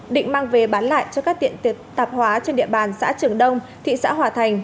định mang về bán lại cho các tiệm tạp hóa trên địa bàn xã trường đông thị xã hòa thành